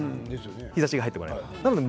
日ざしが入ってこないので。